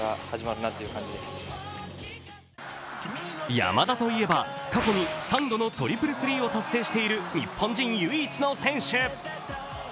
山田といえば過去に３度のトリプルスリーを達成している日本人唯一の選手。